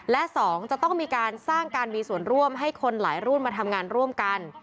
และสองจะต้องมีการสร้างการมีส่วนร่วมให้คนหลายรุ่นมาทำงานร่วมกัน